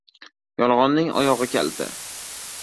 • Yolg‘onning oyog‘i kalta.